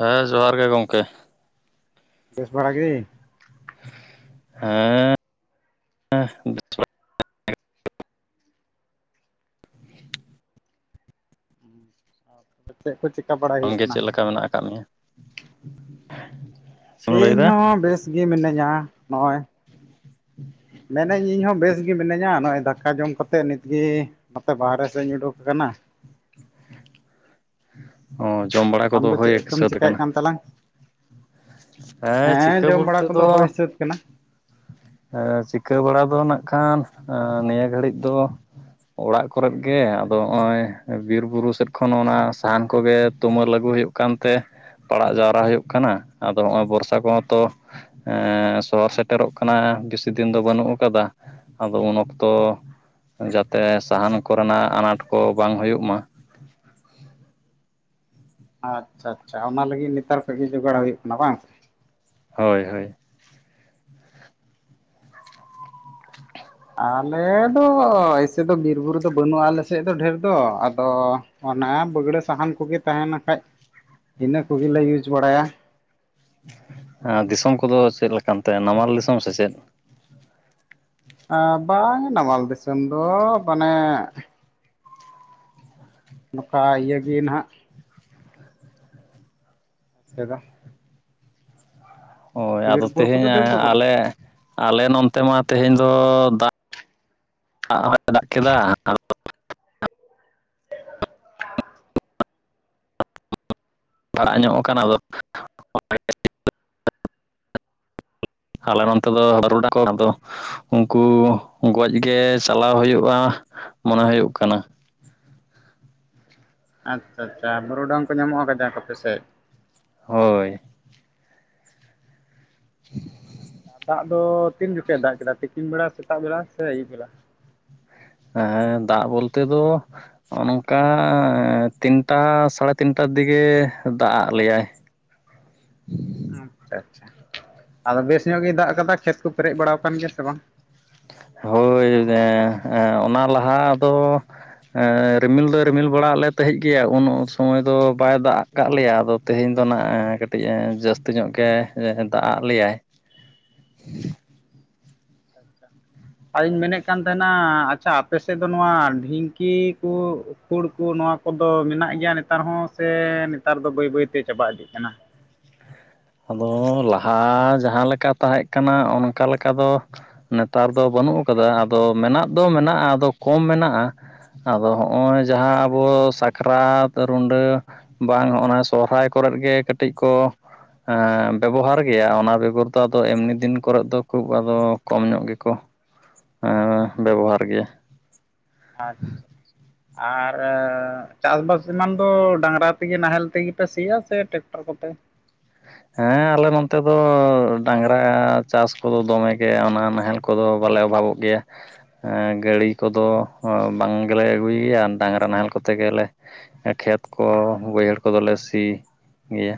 ᱦᱮᱸ ᱡᱚᱦᱟᱨ ᱜᱮ ᱜᱚᱝᱠᱮ᱾ ᱵᱮᱥ ᱵᱟᱲᱟ ᱜᱮ? ᱦᱮᱸ᱾ ᱦᱮᱸ [inaudible] [inaudible] [inaudible] ᱪᱮᱫ ᱠᱚ ᱪᱤᱠᱟᱹ ᱵᱟᱲᱟ ᱟᱢ ᱜᱮ ᱪᱮᱫ ᱞᱮᱠᱟ ᱢᱮᱱᱟᱜ ᱟᱠᱟᱫ ᱢᱮᱭᱟ? ᱪᱮᱢ ᱤᱧ ᱞᱟᱹᱭᱫᱟ ᱦᱚᱸ ᱵᱮᱥ ᱜᱮ ᱢᱤᱱᱟᱹᱧᱟ ᱱᱚᱜᱼᱚᱭ᱾ [inaudible] ᱢᱮᱱᱟᱹᱧ ᱤᱧ ᱦᱚᱸ ᱵᱮᱥ ᱜᱮ ᱢᱤᱱᱟᱹᱧᱟ ᱱᱚᱜᱼᱚᱭ ᱫᱟᱠᱟ ᱡᱚᱢ ᱠᱟᱛᱮᱫ ᱱᱤᱛ ᱜᱮ ᱱᱚᱛᱮ ᱵᱟᱨᱦᱮ ᱥᱮᱫ ᱤᱧ ᱩᱰᱩᱠ ᱟᱠᱟᱱᱟ᱾ ᱚ ᱡᱚᱢ ᱵᱟᱲᱟ ᱟᱢ ᱠᱚᱫᱚ ᱫᱚ ᱦᱳᱭ ᱪᱮᱫ ᱠᱚᱢ ᱥᱟᱹᱛ ᱪᱮᱠᱟᱭᱮᱫ ᱟᱠᱟᱱᱟ᱾ ᱠᱟᱱ ᱛᱟᱞᱟᱝ? ᱦᱮᱸ ᱪᱤᱠᱟᱹ ᱡᱚᱢ ᱵᱟᱲᱟ ᱵᱚᱞᱛᱮ ᱠᱚᱫᱚ ᱦᱳᱭ ᱥᱟᱹᱛ ᱠᱟᱱᱟ᱾ ᱮᱸ ᱪᱤᱠᱟᱹ ᱵᱟᱲᱟ ᱫᱚ ᱱᱟᱜ ᱠᱷᱟᱱ ᱟᱸ ᱱᱤᱭᱟᱹ ᱜᱷᱟᱹᱲᱤᱡ ᱫᱚ ᱚᱲᱟᱜ ᱠᱚᱨᱮᱫ ᱜᱮ ᱟᱫᱚ ᱱᱚᱜᱼᱚᱭ ᱵᱤᱨ ᱵᱩᱨᱩ ᱥᱮᱫ ᱠᱷᱚᱱ ᱚᱱᱟ ᱥᱟᱦᱟᱱ ᱠᱚᱜᱮ ᱛᱩᱢᱟᱹᱞ ᱟᱹᱜᱩ ᱦᱩᱭᱩᱜ ᱠᱟᱱᱛᱮ ᱯᱟᱲᱟᱜ ᱡᱟᱣᱨᱟ ᱦᱩᱭᱩᱜ ᱠᱟᱱᱟ ᱟᱫᱚ ᱦᱚᱸᱜᱼᱚᱭ ᱵᱚᱨᱥᱟ ᱠᱚᱦᱚᱸ ᱛᱚ ᱮᱸᱻ ᱥᱚᱦᱚᱨ ᱥᱮᱴᱮᱨᱚᱜ ᱠᱟᱱᱟ ᱵᱮᱥᱤ ᱫᱤᱱ ᱫᱚ ᱵᱟᱹᱱᱩᱜ ᱟᱠᱟᱫᱟ, ᱟᱫᱚ ᱩᱱ ᱚᱠᱛᱚ ᱡᱟᱛᱮ ᱥᱟᱦᱟᱱ ᱠᱚᱨᱮᱱᱟᱜ ᱟᱱᱟᱴ ᱠᱚ ᱵᱟᱝ ᱦᱩᱭᱩᱜ ᱢᱟ᱾ ᱟᱪᱪᱷᱟ ᱟᱪᱪᱷᱟ ᱚᱱᱟ ᱞᱟᱹᱜᱤᱫ ᱱᱮᱛᱟᱨ ᱠᱷᱡ ᱜᱮ ᱡᱚᱜᱟᱲ ᱦᱩᱭᱩᱜ ᱠᱟᱱᱟ ᱵᱟᱝ? ᱦᱳᱭ ᱦᱳᱭ᱾ ᱟᱞᱮᱫᱚ ᱮᱭᱥᱮ ᱫᱚ ᱵᱤᱨ ᱵᱩᱨᱩ ᱫᱚ ᱵᱟᱹᱱᱩᱜᱼᱟ ᱟᱞᱮ ᱥᱮᱫ ᱫᱚ ᱰᱷᱮᱨ ᱫᱚ ᱟᱫᱚ ᱚᱱᱟ ᱵᱟᱹᱜᱲᱟᱹ ᱥᱟᱦᱟᱱ ᱠᱚᱜᱮ ᱛᱟᱦᱮᱸᱱ ᱠᱷᱟᱡ ᱤᱱᱟᱹ ᱠᱚᱜᱮᱞᱮ ᱤᱨᱡᱽ ᱵᱟᱲᱟᱭᱟ᱾ ᱦᱮᱸ ᱫᱤᱥᱚᱢ ᱠᱚᱫᱚ ᱪᱮᱫ ᱞᱮᱠᱟᱱ ᱛᱮ ᱱᱟᱢᱟᱞ ᱫᱤᱥᱚᱢ ᱥᱮ ᱪᱮᱫ? ᱟ ᱵᱟᱝ ᱱᱟᱢᱟᱞ ᱫᱤᱥᱚᱢ ᱫᱚ ᱢᱟᱱᱮ ᱱᱚᱠᱟ ᱤᱭᱟᱹ ᱜᱮ ᱱᱟᱦᱟᱜ᱾ ᱥᱮᱨᱟ᱾ ᱦᱳᱭ ᱵᱤᱨ ᱟᱫᱚ ᱵᱩᱨᱩ ᱛᱮᱦᱮᱧ ᱠᱚᱫᱚ ᱰᱷᱮᱨ ᱫᱚ ᱵᱟᱹᱱᱩᱜᱼᱟ ᱟᱞᱮ᱾ ᱟᱞᱮ ᱱᱚᱱᱛᱮ ᱢᱟ ᱛᱮᱦᱮᱧ ᱫᱚ ᱫᱟᱜ ᱦᱚᱸᱭ ᱫᱟᱜ ᱠᱮᱫᱟ ᱟᱫᱚ᱾ ᱯᱟᱲᱟᱜ ᱧᱚᱜ ᱠᱟᱱᱟ ᱟᱫᱚ᱾ ᱟᱞᱮ ᱱᱚᱱᱛᱮ ᱫᱚ ᱵᱟᱨᱩᱰᱟᱝ ᱠᱚ ᱟᱫᱚ᱾ ᱩᱱᱠᱩ ᱜᱚᱡ ᱜᱮ ᱪᱟᱞᱟᱣ ᱦᱳᱭᱳᱜ-ᱟ ᱢᱚᱱᱮ ᱦᱳᱭᱳᱜ ᱠᱟᱱᱟ᱾ ᱟᱪ-ᱪᱷᱟ ᱟᱪᱪᱷᱟ ᱵᱟᱨᱩᱰᱟᱝ ᱠᱚ ᱧᱟᱢᱚᱜ-ᱟ ᱠᱟᱡᱟᱠ ᱟᱯᱮᱥᱮᱜ᱾ ᱦᱚᱭ᱾ [inaudible] ᱫᱟᱜ ᱫᱚ ᱛᱤᱱ ᱡᱚᱠᱷᱚᱡ ᱮ ᱫᱟᱜ ᱠᱮᱫᱟ ᱛᱤᱠᱤᱱ ᱵᱮᱲᱟ ᱥᱮᱛᱟᱜ ᱵᱮᱲᱟ ᱥᱮ ᱟᱹᱭᱩᱵ ᱵᱮᱞᱟ᱾ ᱦᱮᱸ ᱫᱟᱜ ᱵᱳᱞᱛᱮ ᱫᱚ᱾ ᱱᱚᱜ-ᱚ ᱱᱚᱝᱠᱟ ᱛᱤᱱᱴᱟ ᱥᱟᱲᱮ ᱛᱤᱱᱴᱟᱨ ᱫᱤᱜᱮ ᱫᱟᱜ ᱟᱜ ᱞᱮᱭᱟᱭ᱾ [inaudible] ᱟᱪ-ᱪᱷᱟ ᱟᱪᱪᱷᱟ ᱟᱫᱚ ᱵᱮᱥ ᱧᱚᱜ ᱜᱮᱭ ᱫᱟᱜ ᱠᱟᱫᱟ ᱠᱷᱮᱛ ᱠᱚ ᱯᱮᱨᱮᱜ ᱵᱟᱲᱟᱣ ᱠᱟᱱ ᱜᱮᱭᱟ ᱥᱮ ᱵᱟᱝ᱾ ᱦᱳᱭ ᱮᱫᱮ ᱦᱮᱸ ᱚᱱᱟ ᱞᱟᱦᱟ ᱫᱚ᱾ ᱦᱮᱸ ᱨᱤᱢᱤᱞ ᱫᱚᱭ ᱨᱤᱢᱤᱞ ᱵᱟᱲᱟᱜ ᱞᱮ ᱛᱟᱦᱮᱸᱜ ᱜᱮᱭᱟ ᱩᱱ ᱥᱚᱢᱚᱭ ᱫᱚ ᱵᱟᱭ ᱫᱟᱜ ᱠᱟᱜ ᱞᱮᱭᱟ ᱟᱫᱚ ᱛᱮᱦᱮᱧ ᱫᱚ ᱱᱟᱜ ᱮᱸ ᱠᱟᱹᱴᱤᱡ ᱮᱸ ᱡᱟᱹᱥᱛᱤ ᱧᱚᱜ ᱜᱮ ᱫᱟᱜ ᱟᱜ ᱞᱮᱭᱟᱭ᱾ [inaudible] ᱟᱪᱪᱷᱟ᱾ ᱟᱨ ᱤᱧ ᱢᱮᱱᱮᱜ ᱠᱟᱱ ᱛᱟᱦᱮᱱᱟ ᱟᱪᱪᱷᱟ ᱟᱯᱮ ᱥᱮᱫ ᱫᱚ ᱱᱚᱣᱟ ᱰᱷᱤᱝᱠᱤ ᱠᱩ᱾ ᱠᱷᱩᱲ ᱠᱩ ᱱᱚᱣᱟ ᱠᱚ ᱫᱚ ᱢᱮᱱᱟᱜ ᱜᱮᱭᱟ ᱱᱮᱛᱟᱨ ᱦᱚᱸ ᱥᱮ ᱱᱮᱛᱟᱨ ᱫᱚ ᱵᱟᱹᱭ ᱵᱟᱹᱭ ᱛᱮ ᱪᱟᱵᱟ ᱤᱫᱤᱜ ᱠᱟᱱᱟ᱾ ᱟᱫᱚ ᱞᱟᱦᱟ ᱡᱟᱸᱦᱟ ᱞᱮᱠᱟ ᱛᱟᱸᱦᱮᱜ ᱠᱟᱱᱟ ᱚᱱᱠᱟ ᱞᱮᱠᱟ ᱫᱚ᱾ ᱱᱮᱛᱟᱨ ᱫᱚ ᱵᱟᱹᱱᱩᱜ ᱠᱟᱫᱟ ᱟᱫᱚ ᱢᱮᱱᱟᱜ ᱫᱚ ᱢᱮᱱᱟᱜ-ᱟ ᱟᱫᱚ ᱠᱚᱢ ᱢᱮᱱᱟᱜ-ᱟ᱾ ᱟᱫᱚ ᱦᱚᱸᱜ-ᱚᱭ ᱡᱟᱸᱦᱟ ᱟᱵᱚ ᱥᱟᱠᱨᱟᱛ ᱨᱩᱰᱟᱹ᱾ ᱵᱟᱝ ᱦᱚᱸᱜᱚ ᱱᱟ ᱥᱚᱦᱨᱟᱭ ᱠᱚᱨᱮᱫ ᱜᱮ ᱠᱟᱹᱴᱤᱡ ᱠᱚ᱾ ᱮᱻ ᱵᱮᱵᱚᱦᱟᱨ ᱜᱮᱭᱟ ᱚᱱᱟ ᱵᱮᱜᱚᱨ ᱫᱚ ᱟᱫᱚ ᱮᱢᱱᱤ ᱫᱤᱱ ᱠᱚᱨᱮᱜ ᱫᱚ ᱠᱷᱩᱵ ᱟᱫᱚ ᱠᱚᱢ ᱧᱚᱜ ᱜᱮ ᱠᱚ᱾ ᱦᱮᱸ ᱫᱚ ᱵᱮᱵᱚᱦᱟᱨ ᱜᱮᱭᱟ᱾ ᱟᱪ-ᱪᱷᱟ ᱟᱪᱪᱷᱟ᱾ ᱟᱨ ᱮᱻ ᱪᱟᱥ-ᱵᱟᱥ ᱮᱢᱟᱱ ᱫᱚ ᱰᱟᱸᱝᱜᱨᱟ ᱛᱮᱜᱤ ᱱᱟᱦᱮᱞ ᱛᱮᱜᱤ ᱯᱮ ᱥᱤᱭᱟ ᱥᱮ ᱴᱮᱠᱴᱟᱨ ᱠᱚ ᱛᱮ᱾ ᱦᱮᱸ ᱟᱞᱮ ᱱᱚᱱᱛᱮ ᱫᱚ ᱰᱟᱸᱝᱜᱨᱟ ᱪᱟᱥ ᱠᱚ ᱫᱚ ᱫᱚᱢᱮ ᱜᱮ ᱚᱱᱟ ᱱᱟᱦᱮᱞ᱾ ᱠᱚ ᱫᱚ ᱵᱟᱞᱮ ᱚᱵᱷᱟᱵᱚᱜ ᱜᱮᱭᱟ᱾ ᱦᱮᱸ ᱜᱟᱹᱲᱤ ᱠᱚ ᱫᱚ ᱵᱟᱝ ᱜᱮ ᱞᱮ ᱟᱹᱜᱩᱭ ᱜᱮᱭᱟ ᱰᱟᱸᱝᱜᱨᱟ ᱱᱟᱦᱮᱞ ᱠᱚ ᱛᱮ ᱜᱮ ᱞᱮ᱾ ᱠᱷᱮᱛ ᱠᱚ ᱵᱟᱹᱭᱦᱟᱹᱲ ᱠᱚ ᱫᱚ ᱞᱮ ᱥᱤ ᱜᱮᱭᱟ᱾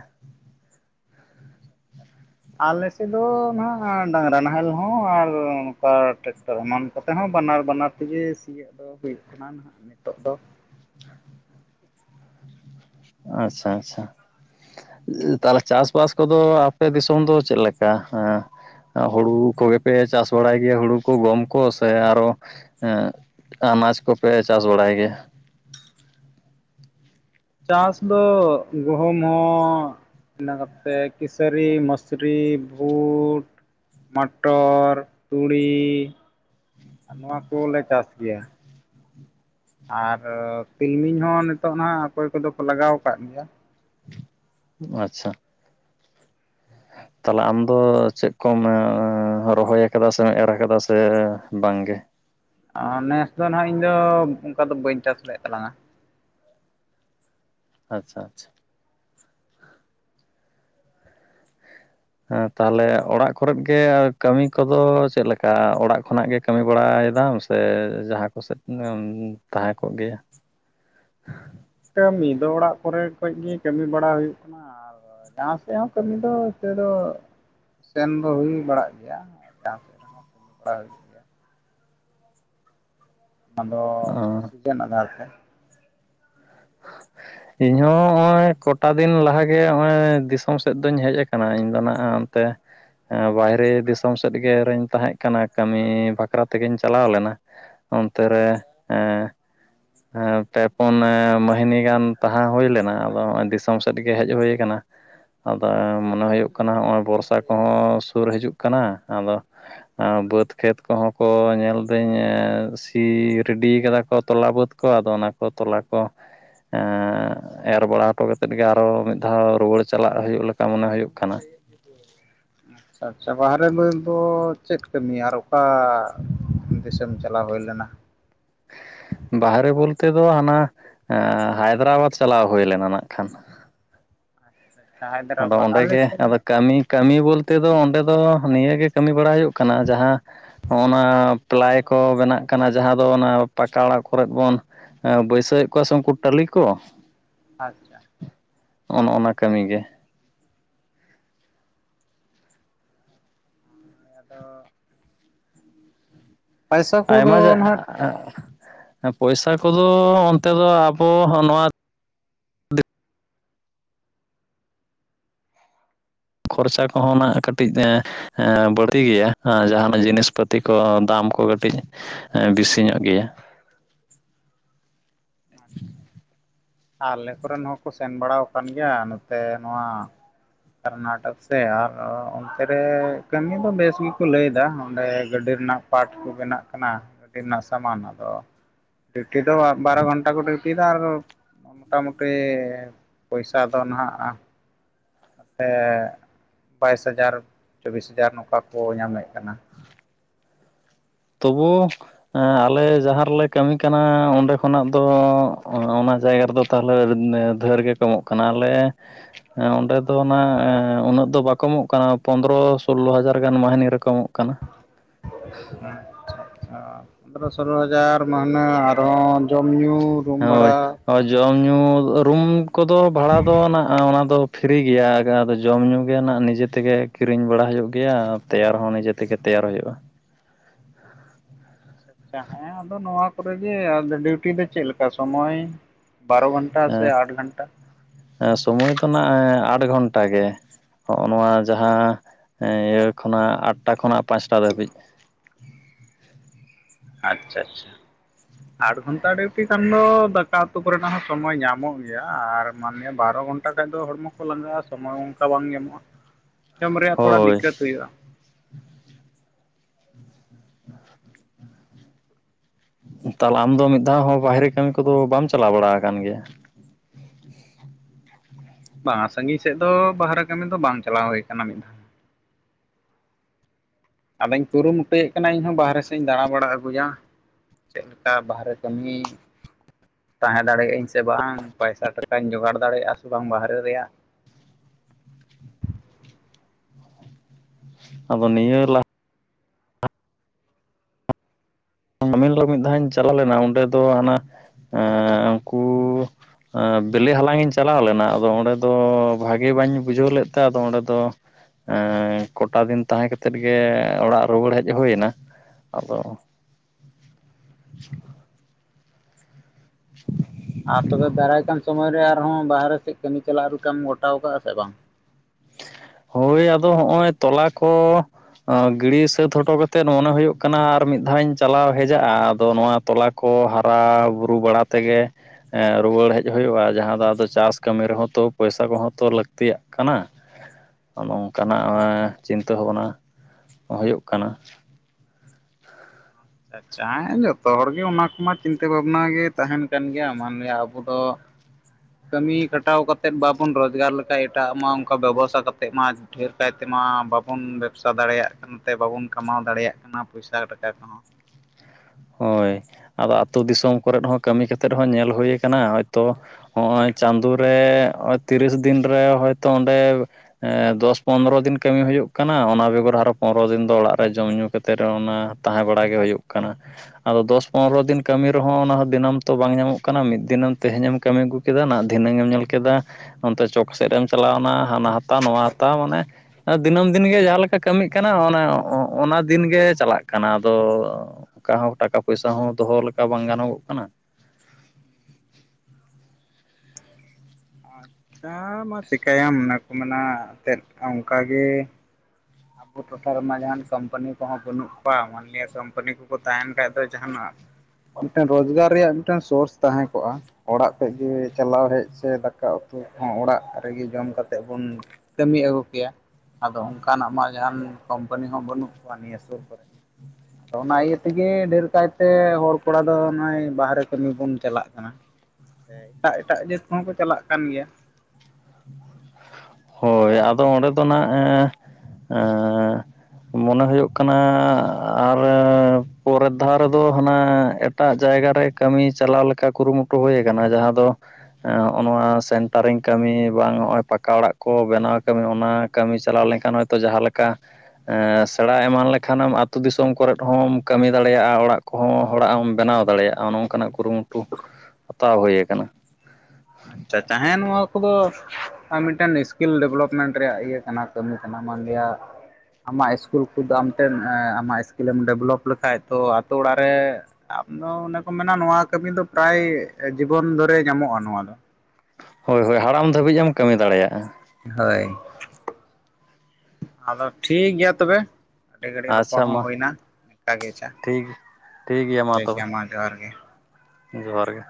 ᱟᱞᱮ ᱥᱮᱜ ᱫᱚ ᱱᱟᱦᱟᱜ ᱰᱟᱸᱝᱨᱟ ᱱᱟᱦᱮᱞ ᱦᱚᱸ ᱟᱨ ᱱᱚᱜ ᱱᱚᱝᱠᱟ ᱴᱮᱠᱴᱟᱨ ᱮᱢᱟᱱ ᱠᱚ ᱛᱮ ᱦᱚᱸ ᱵᱟᱱᱟᱨ ᱵᱟᱱᱟᱨ᱾ ᱛᱤᱜᱤ ᱥᱤᱭᱳᱜ ᱫᱚ ᱦᱩᱭᱩᱜ ᱠᱟᱱᱟ ᱱᱟᱦᱟᱜ ᱱᱤᱛᱚᱜ ᱫᱚ᱾ ᱟᱪ-ᱪᱷᱟ ᱟᱪᱪᱷᱟ᱾ ᱛᱟᱞᱮ ᱪᱟᱥ-ᱵᱟᱥ ᱠᱚ ᱫᱚ ᱟᱯᱮ ᱫᱤᱥᱚᱢ ᱫᱚ ᱪᱮᱫ ᱞᱮᱠᱟ ᱦᱮᱸ᱾ ᱦᱩᱲᱩ ᱠᱚ ᱜᱮ ᱯᱮ ᱪᱟᱥ ᱵᱟᱲᱟᱭ ᱜᱮᱭᱟ ᱦᱩᱲᱩ ᱠᱚ ᱜᱚᱢ ᱠᱚ ᱥᱮ ᱟᱨᱚ ᱮᱸᱜ᱾ ᱟᱱᱟᱡᱽ ᱠᱚ ᱯᱮ ᱪᱟᱥ ᱵᱟᱲᱟᱭ ᱜᱮᱭᱟ᱾ ᱪᱟᱥ ᱫᱚ ᱜᱩᱦᱩᱢ ᱦᱚᱸ᱾ ᱤᱱᱟᱹ ᱠᱟᱛᱮ ᱠᱤᱥᱟᱹᱨᱤ ᱢᱟᱹᱥᱨᱤ ᱵᱷᱩᱴ᱾ ᱢᱟᱴᱚᱨ ᱛᱩᱲᱤ ᱟᱨ ᱱᱚᱣᱟ ᱠᱩᱦᱚ ᱞᱮ ᱪᱟᱥ ᱜᱮᱭᱟ᱾ ᱟᱨ ᱛᱤᱞᱢᱤᱧ ᱦᱚᱸ ᱱᱤᱛᱚᱜ ᱱᱟᱦᱟᱜ ᱚᱠᱚᱭ ᱠᱚ ᱫᱚ ᱠᱚ ᱞᱟᱜᱟᱣ ᱠᱟᱫ ᱜᱮᱭᱟ᱾ ᱟᱪᱪᱷᱟ᱾ ᱛᱟᱞᱦᱮ ᱟᱢ ᱫᱚ ᱪᱮᱫ ᱠᱚᱢ ᱮᱻ ᱮᱻ ᱨᱚᱦᱚᱭ ᱠᱟᱫᱟ ᱥᱮᱢ ᱮᱨ ᱠᱟᱫᱟ ᱥᱮ ᱵᱟᱝ ᱜᱮ᱾ ᱱᱮᱥ ᱫᱚ ᱱᱟᱦᱟᱜ ᱤᱧ ᱫᱚ ᱚᱝᱠᱟ ᱫᱚ ᱵᱟᱹᱧ ᱪᱟᱥ ᱞᱮᱜ ᱛᱟᱞᱟᱝᱟ᱾ ᱟᱪᱪᱷᱟ ᱟᱪᱪᱷᱟ᱾ ᱛᱟᱦᱞᱮ ᱚᱲᱟᱜ ᱠᱚᱨᱮᱜ ᱜᱮ ᱠᱟᱹᱢᱤ ᱠᱚ ᱫᱚ ᱪᱮᱜ ᱞᱮᱠᱟ ᱚᱲᱟᱜ ᱠᱷᱚᱱᱟᱜ ᱜᱮ ᱠᱟᱹᱢᱤ ᱵᱟᱲᱟᱭ ᱫᱟᱢ ᱥᱮ ᱡᱟᱦᱟᱸ ᱠᱚ ᱥᱮᱫ ᱮᱢ ᱛᱟᱦᱮᱸ ᱠᱚᱜ ᱜᱮᱭᱟ? ᱠᱟᱹᱢᱤ ᱫᱚ ᱚᱲᱟᱜ ᱠᱚ ᱨᱮ ᱠᱷᱚᱡ ᱜᱮ ᱠᱟᱹᱢᱤ ᱵᱟᱲᱟ ᱦᱩᱭᱩᱜ ᱠᱟᱱᱟ᱾ ᱟᱫᱚ ᱡᱟᱦᱟᱸ ᱥᱮᱜ ᱦᱚᱸ ᱠᱟᱹᱢᱤ ᱫᱚ ᱛᱮ ᱫᱚ ᱥᱮᱱ ᱫᱚ ᱦᱩᱭ ᱵᱟᱲᱟᱜ ᱜᱮᱭᱟ, ᱡᱟᱦᱟᱸ [inaudible] ᱚᱱᱟ ᱫᱚ ᱚ ᱥᱤᱡᱮᱱ ᱟᱫᱷᱟᱨ ᱛᱮ᱾ ᱤᱧ ᱦᱚᱸ ᱦᱚᱜ-ᱚᱭ ᱠᱚᱴᱟ ᱫᱤᱱ ᱞᱟᱦᱟ ᱜᱮ ᱦᱚᱜ-ᱚᱭ ᱫᱤᱥᱚᱢ ᱥᱮᱜ ᱫᱩᱧ ᱦᱮᱡ ᱠᱟᱱᱟ ᱤᱧ ᱫᱚ ᱱᱟᱜ ᱚᱱᱛᱮ ᱵᱟᱦᱨᱮ ᱫᱤᱥᱚᱢ ᱥᱮᱫ ᱜᱮ ᱨᱮᱧ ᱛᱟᱦᱮᱸᱜ ᱠᱟᱱᱟ ᱠᱟᱹᱢᱤ ᱵᱷᱟᱠᱨᱟ ᱛᱮᱜᱮᱧ ᱪᱟᱞᱟᱣ ᱞᱮᱱᱟ᱾ ᱚᱱᱛᱮ ᱨᱮ ᱮᱸᱻᱮᱸ ᱯᱮ ᱯᱩᱱ ᱢᱟᱹᱦᱱᱮ ᱜᱟᱱ ᱛᱟᱦᱮᱸ ᱦᱩᱭ ᱞᱮᱱᱟ ᱟᱫᱚ ᱦᱚᱸᱜ-ᱚᱭ ᱫᱤᱥᱚᱢ ᱥᱮᱫ ᱜᱮ ᱦᱮᱡ ᱦᱳᱭ ᱠᱟᱱᱟ, ᱟᱫᱚ ᱮ ᱢᱚᱱᱮ ᱦᱩᱭᱩᱜ ᱠᱟᱱᱟ ᱦᱚᱸᱜᱼᱚᱭ ᱵᱚᱨᱥᱟ ᱠᱚᱦᱚᱸ ᱥᱩᱨ ᱦᱤᱡᱩᱜ ᱠᱟᱱᱟ ᱟᱫᱚ ᱟᱨ ᱵᱟᱹᱫᱽ ᱠᱷᱮᱛ ᱠᱚᱦᱚᱸ ᱠᱚ ᱧᱮᱞᱫᱟᱹᱧ ᱮᱸ ᱥᱤ ᱨᱮᱰᱤ ᱠᱟᱫᱟ ᱠᱚ ᱛᱚᱞᱟ ᱵᱟᱹᱫᱽ ᱠᱚ ᱟᱫᱚ ᱚᱱᱟ ᱠᱚ ᱛᱚᱞᱟ ᱠᱚ ᱮᱸ ᱮᱸ ᱮᱨ ᱵᱟᱲᱟ ᱦᱚᱴᱚ ᱠᱟᱛᱮᱫ ᱜᱮ ᱟᱨᱚ ᱢᱤᱫ ᱫᱷᱟᱣ ᱨᱩᱣᱟᱹᱲ ᱪᱟᱞᱟᱜ ᱦᱩᱭᱩᱜ ᱞᱮᱠᱟ ᱢᱚᱱᱮ ᱦᱩᱭᱩᱜ ᱠᱟᱱᱟ᱾ ᱪᱷᱟ ᱟᱪᱪᱷᱟ ᱵᱟᱦᱨᱮ ᱵᱮᱫᱷ ᱫᱚ ᱪᱮᱫ ᱠᱟᱹᱢᱤ ᱟᱨ ᱚᱠᱟ ᱫᱤᱥᱚᱢ ᱪᱟᱞᱟᱣ ᱦᱩᱭ ᱞᱮᱱᱟ᱾ ᱵᱟᱦᱨᱮ ᱵᱚᱞᱛᱮ ᱫᱚ ᱦᱟᱱᱟ ᱮᱸ ᱦᱟᱭᱫᱨᱟᱵᱟᱫᱽ ᱪᱟᱞᱟᱣ ᱦᱩᱭ ᱞᱮᱱᱟ ᱱᱟᱜ ᱠᱷᱟᱱ᱾ ᱟᱪᱪᱷᱟ ᱟᱫᱚ ᱦᱟᱭᱫᱨᱟᱵᱟᱫ ᱚᱸᱰᱮ ᱟᱞᱮ ᱜᱮ ᱥᱮᱫ ᱨᱮᱱ ᱟᱫᱚ ᱠᱟᱹᱢᱤ ᱠᱟᱹᱢᱤ ᱵᱚᱞᱛᱮ ᱫᱚ ᱚᱸᱰᱮ ᱫᱚ ᱱᱤᱭᱟᱹ ᱜᱮ ᱠᱟᱹᱢᱤ ᱵᱟᱲᱟ ᱦᱩᱭᱩᱜ ᱠᱟᱱᱟ ᱡᱟᱦᱟᱸ ᱦᱚᱸᱜᱼᱚ ᱱᱟ ᱯᱞᱟᱭ ᱠᱚ ᱵᱮᱱᱟᱜ ᱠᱟᱱᱟ ᱡᱟᱦᱟᱸ ᱫᱚ ᱚᱱᱟ ᱯᱟᱠᱟ ᱚᱲᱟᱜ ᱠᱚᱨᱮᱫ ᱵᱚᱱ ᱦᱮᱸ ᱵᱟᱹᱭᱥᱟᱹᱭᱣᱮᱫ ᱠᱚᱣᱟ ᱥᱮ ᱩᱱᱠᱩ ᱴᱟᱹᱟᱞᱤ ᱠᱚ, ᱟᱪᱪᱷᱟ᱾ ᱚᱱ ᱚᱱᱟ ᱠᱟᱹᱢᱤ ᱜᱮ᱾ ᱟᱫᱚ ᱯᱟᱭᱥᱟ ᱟᱭᱢᱟ ᱡᱟ ᱠᱚᱫᱚ ᱱᱟᱦᱟᱜ ᱮᱸ, ᱯᱚᱭᱥᱟ ᱠᱚᱫᱚ ᱚᱱᱛᱮ ᱫᱚ ᱟᱵᱚ ᱱᱚᱣᱟ ᱠᱷᱚᱨᱪᱟ ᱠᱚᱦᱚᱸ ᱱᱟᱜ ᱠᱟᱹᱴᱤᱡ ᱮᱸ ᱮᱸ ᱵᱟᱹᱲᱛᱤ ᱜᱮᱭᱟ ᱮᱸ ᱡᱟᱦᱟᱱᱟᱜ ᱡᱤᱱᱤᱥ ᱯᱟᱹᱛᱤ ᱠᱚ ᱫᱟᱢ ᱠᱚ ᱠᱟᱹᱴᱤᱡ ᱮ ᱵᱮᱥᱤ ᱧᱚᱜ ᱜᱮᱭᱟ᱾ ᱟᱪᱪᱷᱟ ᱟᱪᱪᱷᱟ᱾ ᱟᱞᱮ ᱠᱚᱨᱮᱱ ᱦᱚᱸᱠᱚ ᱥᱮᱱ ᱵᱟᱲᱟᱶ ᱟᱠᱟᱱ ᱜᱮᱭᱟ ᱱᱚᱛᱮ ᱱᱚᱣᱟ ᱠᱚᱨᱱᱟᱴᱚᱠ ᱥᱮ, ᱟᱨ ᱚᱱᱛᱮ ᱨᱮ ᱠᱟᱹᱢᱤ ᱫᱚ ᱵᱮᱥ ᱜᱮᱠᱚ ᱞᱟᱹᱭᱮᱫᱟ ᱚᱸᱰᱮ ᱜᱟᱹᱰᱤ ᱨᱮᱱᱟᱜ ᱯᱟᱴ ᱠᱚ ᱵᱮᱱᱟᱜ ᱠᱟᱱᱟ ᱜᱟᱹᱰᱤ ᱨᱮᱱᱟᱜ ᱥᱟᱢᱟᱱ ᱟᱫᱚ ᱰᱤᱭᱩᱴᱤ ᱫᱚ ᱵᱟᱨᱚ ᱜᱷᱚᱱᱴᱟ ᱠᱚ ᱰᱤᱜᱩᱴᱤ ᱫᱚ ᱟᱨ ᱢᱚᱴᱟᱢᱩᱴᱤ ᱯᱚᱭᱥᱟ ᱫᱚ ᱱᱟᱦᱟᱜ-ᱟ ᱮ ᱵᱟᱭᱤᱥ ᱦᱟᱡᱟᱨ ᱪᱚᱵᱽᱵᱤᱥ ᱦᱟᱡᱟᱨ ᱱᱚᱝᱠᱟ ᱠᱚ ᱧᱟᱢᱮᱫ ᱠᱟᱱᱟ᱾ ᱛᱚᱵᱩ ᱮᱸ ᱟᱞᱮ ᱡᱟᱦᱟᱸ ᱨᱮᱞᱮ ᱠᱟᱹᱢᱤ ᱠᱟᱱᱟ ᱚᱸᱰᱮ ᱠᱷᱚᱱᱟᱜ ᱫᱚ ᱚᱱᱟ ᱡᱟᱭᱜᱟ ᱨᱮᱫᱚ ᱛᱟᱞᱦᱮ ᱫᱷᱮᱨ ᱜᱮᱠᱚ ᱚᱢᱚᱜ ᱠᱟᱱᱟ ᱟᱞᱮ ᱮᱸ ᱚᱸᱰᱮ ᱟᱫᱚ ᱚᱱᱟ ᱮᱸ ᱩᱱᱟᱹᱜ ᱫᱚ ᱵᱟᱠᱚ ᱮᱢᱚᱜ ᱠᱟᱱᱟ ᱯᱚᱱᱫᱨᱚ ᱥᱳᱞᱞᱳ ᱦᱟᱡᱟᱨ ᱜᱟᱱ ᱢᱟᱦᱱᱮ ᱨᱮᱠᱚ ᱮᱢᱚᱜ ᱠᱟᱱᱟ᱾ [inaudible] ᱟᱪᱪᱷᱟ ᱯᱚᱱᱫᱨᱚ ᱥᱳᱞᱳ ᱦᱟᱡᱟᱨ ᱢᱟᱦᱱᱟᱹ ᱟᱨᱦᱚᱸ ᱡᱚᱢ ᱧᱩ ᱨᱩᱢ ᱵᱷᱟᱲᱟ ᱦᱳᱭ᱾ ᱡᱚᱢ ᱧᱩ ᱨᱩᱢ ᱠᱚᱫᱚ ᱵᱷᱟᱲᱟ ᱫᱚ ᱱᱟᱜ ᱚᱱᱟ ᱫᱚ ᱯᱷᱤᱨᱤ ᱜᱮᱭᱟ ᱟ ᱟᱫᱚ ᱡᱚᱢ ᱧᱩ ᱜᱮ ᱱᱟᱜ ᱱᱤᱡᱮ ᱛᱮᱜᱮ ᱠᱤᱨᱤᱧ ᱵᱟᱲᱟ ᱦᱩᱭᱩᱜ ᱜᱮᱭᱟ, ᱛᱮᱭᱟᱨ ᱦᱚᱸ ᱱᱤᱡᱮ ᱛᱮᱜᱮ ᱛᱮᱭᱟᱨ ᱦᱩᱭᱩᱜᱼᱟ ᱾ ᱛᱟᱦᱮᱸ ᱟᱫᱚ ᱱᱚᱣᱟ ᱠᱚᱨᱮᱜᱮ ᱟᱫᱚ ᱰᱤᱭᱩᱴᱤ ᱫᱚ ᱪᱮᱫ ᱞᱮᱠᱟ ᱥᱚᱢᱚᱭᱼᱼ ᱵᱟᱨᱚ ᱜᱷᱚᱱᱴᱟ ᱥᱮ ᱟᱴ ᱜᱷᱚᱱᱴᱟᱼᱼ ᱥᱚᱢᱚᱭ ᱫᱚ ᱱᱟᱜ ᱟᱴ ᱜᱷᱚᱱᱴᱟ ᱜᱮ ᱾ ᱦᱚᱜᱼᱚ ᱱᱚᱣᱟ ᱡᱟᱦᱟᱸ ᱤᱭᱟᱹ ᱠᱷᱚᱱᱟᱜ ᱟᱴᱴᱟ ᱠᱷᱚᱱᱟᱜ ᱯᱟᱸᱪᱴᱟ ᱫᱷᱟᱹᱵᱤᱡ ᱾ ᱟᱪᱪᱷᱟ ᱟᱪᱪᱷᱟ ᱾ ᱟᱴ ᱜᱷᱚᱱᱴᱟ ᱰᱤᱭᱩᱴᱤ ᱠᱷᱟᱱ ᱫᱚ ᱫᱟᱠᱟ ᱩᱛᱩ ᱠᱚᱨᱮᱱᱟᱜ ᱦᱚᱸ ᱥᱚᱢᱚᱭ ᱧᱟᱢᱚᱜ ᱜᱮᱭᱟ, ᱟᱨ ᱢᱟᱱᱮ ᱵᱟᱨᱳ ᱜᱷᱚᱱᱴᱟᱼᱼ ᱜᱷᱚᱱᱴᱟ ᱠᱷᱟᱱ ᱫᱚ ᱦᱚᱲᱢᱚ ᱠᱚ ᱞᱟᱱᱜᱟᱜᱼᱟ ᱥᱚᱢᱚᱭ ᱚᱱᱠᱟ ᱵᱟᱝ ᱧᱟᱢᱚᱜᱼᱟ, ᱡᱚᱢ ᱨᱮᱭᱟᱜ ᱛᱷᱚᱲᱟ ᱦᱳᱭ ᱫᱤᱠᱠᱟᱛ ᱦᱩᱭᱩᱜᱼᱟ ᱾ ᱛᱟᱦᱚᱞᱮ ᱟᱢ ᱫᱚ ᱢᱤᱫ ᱫᱷᱟᱣ ᱦᱚᱸ ᱵᱟᱭᱨᱮ ᱠᱟᱹᱢᱤ ᱠᱚᱫᱚ ᱵᱟᱢ ᱪᱟᱞᱟᱣ ᱵᱟᱲᱟ ᱟᱠᱟᱱ ᱜᱮᱭᱟ? ᱵᱟᱝᱟ ᱥᱟᱺᱜᱤᱧ ᱥᱮᱫ ᱫᱚ ᱵᱟᱦᱨᱮ ᱠᱟᱹᱢᱤ ᱫᱚ ᱵᱟᱝ ᱪᱟᱞᱟᱣ ᱦᱩᱭ ᱟᱠᱟᱱᱟ ᱢᱤᱫ ᱫᱷᱟᱣ ᱾ ᱟᱫᱚᱧ ᱠᱩᱨᱩᱢᱩᱴᱩᱭᱮᱫ ᱠᱟᱱᱟ ᱤᱧ ᱦᱚᱸ ᱵᱟᱦᱨᱮ ᱥᱮᱫ ᱤᱧ ᱫᱟᱬᱟ ᱵᱟᱲᱟ ᱟᱹᱜᱩᱭᱟ ᱾ ᱪᱮᱫ ᱞᱮᱠᱟ ᱵᱟᱦᱨᱮ ᱠᱟᱹᱢᱤᱼᱼ ᱛᱟᱦᱮᱸ ᱫᱟᱲᱮᱭᱟᱜ ᱤᱧ ᱥᱮ ᱵᱟᱝ, ᱯᱟᱭᱥᱟ ᱴᱟᱠᱟᱧ ᱡᱚᱜᱟᱲ ᱫᱟᱲᱮᱭᱟᱜᱼᱟ ᱥᱮ ᱵᱟᱝ ᱵᱟᱦᱨᱮ ᱨᱮᱭᱟᱜ ᱾ ᱟᱫᱚ ᱱᱤᱣᱮ ᱞᱟᱦᱼᱼ ᱛᱟᱢᱤᱞ ᱨᱮ ᱢᱤᱫ ᱫᱷᱟᱣ ᱤᱧ ᱪᱟᱞᱟᱣ ᱞᱮᱱᱟ ᱚᱸᱰᱮ ᱫᱚ ᱦᱟᱱᱟ ᱩᱱᱠᱩᱼᱼ ᱵᱤᱞᱤ ᱦᱟᱞᱟᱝ ᱤᱧ ᱪᱟᱞᱟᱣ ᱞᱮᱱᱟ, ᱟᱫᱚ ᱚᱸᱰᱮ ᱫᱚ ᱵᱷᱟᱜᱤ ᱵᱟᱹᱧ ᱵᱩᱡᱷᱟᱹᱣ ᱞᱮᱫ ᱛᱮ ᱟᱫᱚ ᱚᱸᱰᱮ ᱫᱚᱼᱼ ᱠᱚᱴᱟ ᱫᱤᱱ ᱛᱟᱦᱮᱸ ᱠᱟᱛᱮᱫ ᱜᱮ ᱚᱲᱟᱜ ᱨᱩᱣᱟᱹᱲ ᱦᱮᱡ ᱦᱩᱭᱱᱟ ᱾ ᱟᱫᱚᱼᱼ ᱟᱪᱪᱷᱟ ᱾ [inaudible] ᱟᱨ ᱛᱚᱵᱮ ᱫᱟᱨᱟᱭ ᱠᱟᱱ ᱥᱚᱢᱚᱭ ᱨᱮ ᱟᱨᱦᱚᱸ ᱵᱟᱦᱨᱮ ᱥᱮᱫ ᱠᱟᱹᱢᱤ ᱪᱟᱞᱟᱜ ᱞᱮᱠᱟᱢ ᱜᱚᱴᱟᱣ ᱠᱟᱜᱼᱟ ᱥᱮ ᱵᱟᱝ? ᱦᱳᱭ ᱟᱫᱚ ᱦᱚᱜᱼᱚᱭ ᱛᱚᱞᱟ ᱠᱚᱼᱼ ᱜᱤᱰᱤ ᱥᱟᱹᱛ ᱦᱚᱴᱚ ᱠᱟᱛᱮᱫ ᱦᱚᱱᱚᱜᱼᱟ ᱢᱚᱱᱮ ᱦᱩᱭᱩᱜ ᱠᱟᱱᱟ ᱟᱨ ᱢᱤᱫ ᱫᱷᱟᱣ ᱤᱧ ᱪᱟᱞᱟᱣ ᱦᱮᱡᱟᱜᱼᱟ ᱾ ᱟᱫᱚ ᱱᱚᱣᱟ ᱛᱚᱞᱟᱼᱼ ᱠᱚ ᱦᱟᱨᱟ ᱵᱩᱨᱩ ᱵᱟᱲᱟ ᱛᱮᱜᱮᱼᱼ ᱮ ᱨᱩᱣᱟᱲ ᱦᱮᱡ ᱦᱩᱭᱩᱜᱼᱟ, ᱡᱟᱦᱟᱸ ᱫᱚ ᱟᱫᱚ ᱪᱟᱥ ᱠᱟᱹᱢᱤ ᱨᱮᱦᱚᱸ ᱛᱚ ᱯᱚᱭᱥᱟ ᱠᱚᱦᱚᱸ ᱛᱚ ᱞᱟᱹᱠᱛᱤᱭᱟᱜ ᱠᱟᱱᱟ ᱾ ᱚᱱᱮ ᱚᱝᱠᱟᱱᱟᱜ ᱪᱤᱱᱛᱟᱹ ᱵᱷᱟᱵᱽᱱᱟ ᱦᱩᱭᱩᱜ ᱠᱟᱱᱟ ᱾ ᱟᱪᱪᱷᱟ ᱮᱸ ᱡᱚᱛᱚ ᱦᱚᱲ ᱜᱮ ᱚᱱᱟ ᱠᱚᱢᱟ ᱪᱤᱱᱛᱟᱹ ᱵᱷᱟᱵᱱᱟ ᱜᱮ ᱛᱟᱦᱮᱱ ᱠᱟᱱ ᱜᱮᱭᱟ, ᱢᱟᱱᱞᱤᱭᱟ ᱟᱵᱚ ᱫᱚᱼᱼ ᱠᱟᱹᱢᱤ ᱠᱷᱟᱴᱟᱣ ᱠᱟᱛᱮᱫ ᱵᱟᱵᱚᱱ ᱨᱚᱡᱽᱜᱟᱨ ᱞᱮᱠᱷᱟᱡ ᱮᱴᱟᱜ ᱢᱟ ᱚᱱᱠᱟ ᱵᱮᱵᱚᱥᱟ ᱠᱟᱛᱮᱫ ᱢᱟᱼᱼ ᱰᱷᱮᱨ ᱠᱟᱭᱛᱮᱢᱟ ᱵᱟᱵᱚᱱ ᱵᱮᱵᱽᱥᱟ ᱫᱟᱲᱮᱭᱟᱜᱼᱟ ᱾ ᱱᱚᱛᱮ ᱵᱟᱵᱚᱱ ᱠᱟᱢᱟᱣ ᱫᱟᱲᱮᱭᱟᱜ ᱠᱟᱱᱟ ᱯᱚᱭᱥᱟ ᱴᱟᱠᱟ ᱠᱚᱦᱚᱸ ᱾ ᱦᱚᱭ ᱟᱫᱚ ᱟᱛᱩ ᱫᱤᱥᱚᱢ ᱠᱚᱨᱮᱫ ᱦᱚᱸ ᱠᱟᱹᱢᱤ ᱠᱟᱛᱮᱫ ᱦᱚᱸ ᱧᱮᱞ ᱦᱩᱭ ᱠᱟᱱᱟ ᱦᱚᱭᱛᱳᱼᱼ ᱦᱚᱜᱼᱚᱭ ᱪᱟᱸᱫᱚ ᱨᱮ ᱦᱚᱭ ᱛᱤᱨᱤᱥ ᱫᱤᱱ ᱨᱮ ᱦᱚᱭᱛᱳ ᱚᱸᱰᱮᱼᱼ ᱮ ᱫᱚᱥ ᱯᱚᱱᱨᱚ ᱫᱤᱱ ᱠᱟᱹᱢᱤ ᱦᱩᱭᱩᱜ ᱠᱟᱱᱟ ᱾ ᱚᱱᱟ ᱵᱮᱜᱚᱨ ᱟᱨᱚ ᱯᱚᱱᱨᱚ ᱫᱤᱱ ᱫᱚ ᱚᱲᱟᱜ ᱨᱮ ᱡᱚᱢ ᱧᱩ ᱠᱟᱛ ᱛᱮ ᱨᱮ ᱚᱱᱟ ᱛᱟᱦᱮᱸ ᱵᱟᱲᱟ ᱜᱮ ᱦᱩᱭᱩᱜ ᱠᱟᱱᱟ ᱾ ᱟᱫᱚ ᱫᱚᱥ ᱯᱚᱱᱨᱚ ᱫᱤᱱ ᱠᱟᱹᱢᱤ ᱨᱮᱦᱚ ᱚᱱᱟ ᱦᱚ ᱫᱤᱱᱟᱹᱢ ᱛᱚ ᱵᱟᱝ ᱧᱟᱢᱚᱜ ᱠᱟᱱᱟ, ᱢᱤᱫ ᱫᱤᱱᱮᱢ ᱛᱮᱦᱮᱧ ᱮᱢ ᱠᱟᱹᱢᱤ ᱟᱹᱜᱩ ᱠᱮᱫᱟ ᱱᱟᱜ ᱫᱷᱤᱱᱟᱹᱝ ᱮᱢ ᱧᱮᱞ ᱠᱮᱫᱟ ᱚᱱᱛᱮ ᱪᱚᱠ ᱥᱮᱫ ᱮᱢ ᱪᱟᱞᱟᱣ ᱮᱱᱟᱼᱼ ᱦᱟᱱᱟ ᱦᱟᱛᱟᱣ ᱱᱚᱣᱟ ᱦᱟᱛᱟᱣ ᱢᱟᱱᱮᱼᱼ ᱫᱤᱱᱟᱹᱢ ᱫᱤᱱᱜᱮ ᱡᱟᱦᱟ ᱞᱮᱠᱟ ᱠᱟᱹᱢᱤᱜ ᱠᱟᱱᱟ ᱚᱱᱮ ᱚᱱᱟ ᱫᱤᱱ ᱜᱮ ᱪᱟᱞᱟᱜ ᱠᱟᱱᱟ, ᱟᱫᱚᱼᱼ ᱚᱠᱟ ᱦᱚ ᱴᱟᱠᱟ ᱯᱚᱭᱥᱟ ᱦᱚ ᱫᱚᱦᱚ ᱞᱮᱠᱟ ᱵᱟᱝ ᱜᱟᱱᱚᱜᱚᱜ ᱠᱟᱱᱟ ᱾ ᱪᱟ ᱢᱟ ᱪᱤᱠᱟᱹᱭᱟᱢ ᱚᱱᱟᱠᱚ ᱢᱮᱱᱟ ᱛᱮᱫ ᱚᱱᱠᱟ ᱜᱮ ᱾ ᱟᱵᱚ ᱴᱚᱴᱷᱟ ᱨᱮᱢᱟ ᱡᱟᱦᱟᱱ ᱠᱟᱹᱢᱯᱟᱱᱤ ᱠᱚᱦᱚᱸ ᱵᱟᱹᱱᱩᱜ ᱠᱚᱣᱟ, ᱢᱟᱱ ᱵᱚᱞᱮ ᱠᱳᱢᱯᱟᱱᱤ ᱠᱚᱠᱚ ᱛᱟᱦᱮᱱ ᱠᱷᱟᱡ ᱫᱚ ᱡᱟᱦᱟ ᱱᱟᱜᱼᱼ ᱢᱤᱫᱴᱮᱱ ᱨᱳᱡᱽᱜᱟᱨ ᱨᱮᱭᱟᱜ ᱢᱤᱫᱴᱮᱱ ᱥᱳᱨᱥ ᱛᱟᱦᱮ ᱠᱚᱜᱼᱟ ᱾ ᱚᱲᱟᱜ ᱠᱷᱚᱡ ᱜᱮ ᱪᱟᱞᱟᱣ ᱦᱮᱡ ᱥᱮ ᱫᱟᱠᱟ ᱩᱛᱩ ᱠᱚᱦᱚ ᱚᱲᱟᱜ ᱨᱮᱜᱮ ᱡᱚᱢ ᱠᱟᱛᱮᱫ ᱵᱚᱱᱼᱼ ᱠᱟᱹᱢᱤ ᱟᱹᱜᱩ ᱠᱮᱭᱟ ᱟᱫᱚ ᱚᱱᱠᱟᱱᱟᱜ ᱢᱟ ᱡᱟᱦᱟᱱ ᱠᱳᱢᱯᱟᱱᱤ ᱦᱚ ᱵᱟᱹᱱᱩᱜ ᱠᱚᱣᱟ ᱱᱤᱭᱟᱹ ᱥᱩᱨ ᱠᱚᱨᱮ ᱾ ᱟᱫᱚ ᱚᱱᱟ ᱤᱭᱟᱹ ᱛᱮᱜᱮ ᱰᱷᱮᱨ ᱠᱟᱭᱛᱮ ᱦᱚᱲ ᱠᱚᱲᱟ ᱫᱚ ᱱᱚᱜᱼᱚᱭ ᱵᱟᱦᱨᱮ ᱠᱟᱹᱢᱤ ᱵᱚᱱ ᱪᱟᱞᱟᱜ ᱾ ᱠᱟᱱᱟ ᱥᱮ ᱮᱴᱟᱜ ᱮᱴᱟᱜ ᱡᱟᱹᱛ ᱠᱚᱦᱚ ᱠᱚ ᱪᱟᱞᱟᱜ ᱠᱟᱱ ᱜᱮᱭᱟ᱾ ᱦᱳᱭ ᱟᱫᱚ ᱚᱸᱰᱮ ᱫᱚ ᱱᱟᱜ ᱮᱸ ᱮᱸᱻ᱾ ᱢᱚᱱᱮ ᱦᱳᱭᱩᱜ ᱠᱟᱱᱟ ᱟᱨ ᱯᱚᱨᱮᱨ ᱫᱷᱟᱣ ᱨᱮᱫᱚ ᱦᱟᱱᱟ ᱮᱴ ᱴᱟᱜ ᱡᱟᱭᱜᱟ ᱨᱮ ᱠᱟᱹᱢᱤ ᱪᱟᱞᱟᱣ ᱞᱮᱠᱟ ᱠᱩᱨᱩᱢᱩᱴᱩ ᱦᱩᱭ ᱠᱟᱱᱟ ᱡᱟᱦᱟᱸ ᱫᱚ ᱮ ᱦᱚᱸᱷ-ᱚ ᱱᱚᱣᱟ ᱥᱮᱱᱴᱟᱨᱤᱝ ᱠᱟᱹᱢᱤ ᱵᱟᱝ ᱦᱚᱸᱜᱼᱚᱭ ᱯᱟᱠᱟ ᱚᱲᱟᱜ ᱠᱚ ᱵᱮᱱᱟᱣ ᱠᱟᱹᱢᱤ ᱚᱱᱟ ᱠᱟᱹᱢᱤ ᱪᱟᱞᱟᱣ ᱞᱮᱱᱠᱷᱟᱱ ᱦᱚᱭᱛᱳ ᱡᱟᱦᱟᱸ ᱞᱮᱠᱟ ᱮᱸ ᱥᱮᱬᱟ ᱮᱢᱟᱱ ᱞᱮᱠᱷᱟᱱᱮᱢ ᱟᱛᱳ ᱫᱤᱥᱚᱢ ᱠᱚᱨᱮᱫ ᱦᱚᱢ ᱠᱟᱹᱢᱤ ᱫᱟᱲᱮᱭᱟᱜᱼᱟ ᱚᱲᱟᱜ ᱠᱚᱦᱚᱸ ᱦᱚᱲᱟᱜ ᱮᱢ ᱵᱮᱱᱟᱣ ᱫᱟᱲᱮᱭᱟᱜᱼᱟ ᱱᱚᱜ ᱚᱝᱠᱟᱱᱟᱜ ᱠᱩᱨᱩᱢᱩᱴᱩ ᱦᱟᱛᱟᱣ ᱦᱩᱭᱩ ᱠᱟᱱᱟ᱾ ᱪᱟ-ᱪᱟ ᱦᱮᱸ ᱱᱚᱣᱟ ᱠᱚᱫᱚ ᱟ ᱢᱤᱫᱴᱮᱱ ᱤᱥᱠᱤᱞ ᱰᱮᱵᱷᱞᱚᱯᱢᱮᱱᱴ ᱨᱮᱭᱟᱜ ᱤᱭᱟᱹ ᱠᱟᱱᱟ᱾ ᱠᱟᱹᱢᱤ ᱠᱟᱱᱟ ᱢᱟᱱᱞᱤᱭᱟ ᱟᱢᱟᱜ ᱤᱥᱠᱩᱞ ᱠᱷᱩᱫ ᱟᱢ ᱛᱮᱢ ᱟᱢᱟᱜ ᱤᱥᱠᱤᱞ ᱮᱢ ᱰᱮᱵᱷᱞᱚᱯ ᱞᱮᱠᱷᱟᱡ ᱛᱚ ᱟᱛᱳ ᱚᱲᱟᱜ ᱨᱮ ᱴᱟᱢ ᱫᱚ ᱚᱱᱮ ᱠᱚ ᱢᱮᱱᱟ ᱱᱚᱣᱟ ᱠᱟᱹᱢᱤ ᱫᱚ ᱯᱨᱟᱭ ᱡᱤᱵᱚᱱ ᱫᱷᱚᱨᱮ ᱧᱟᱢᱚᱜᱼᱟ ᱱᱚᱣᱟ ᱫᱚ᱾ ᱦᱳᱭ ᱦᱳᱭ ᱦᱟᱲᱟᱢ ᱫᱷᱟᱹᱵᱤᱡ ᱮᱢ ᱠᱟᱹᱢᱤ ᱫᱟᱲᱮᱭᱟᱜᱼᱟ᱾ ᱦᱳᱭ ᱟᱫᱚ ᱴᱷᱤᱠ ᱜᱮᱭᱟ ᱛᱚᱵᱮ᱾ ᱟᱹᱰᱤ ᱜᱷᱟᱹᱲᱤᱡ ᱨᱚᱯᱚᱲ ᱟᱪᱪᱷᱟ ᱦᱚᱸ ᱢᱟ ᱦᱩᱭᱱᱟ ᱚᱝᱠᱟ ᱜᱮ ᱡᱟ ᱴᱷᱤᱠ ᱴᱷᱤᱠ ᱜᱮᱭᱟ ᱢᱟ ᱡᱚᱸᱦᱟᱨ ᱜᱮ᱾ ᱡᱚᱸᱦᱟᱨ ᱜᱮ᱾